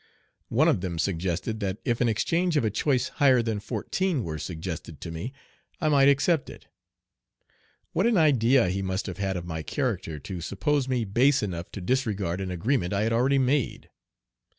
One of them suggested that if an exchange of a choice higher than fourteen were suggested to me, I might accept it. What an idea, he must have had of my character to suppose me base enough to disregard an agreement I had already made!